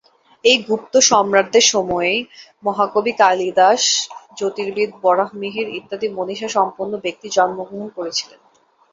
এই গুপ্ত সম্রাটদের সময়েই মহাকবি কালিদাস, জ্যোতির্বিদ বরাহ মিহির ইত্যাদি মনীষা সম্পন্ন ব্যক্তি জন্মগ্রহণ করেছিলেন।